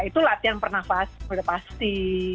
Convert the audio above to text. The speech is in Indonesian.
itu latihan pernafas sudah pasti